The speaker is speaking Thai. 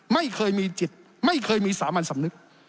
ไม่เคยมีจิตไม่เคยมีสามัญสำนึก